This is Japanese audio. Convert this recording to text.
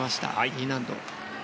Ｅ難度。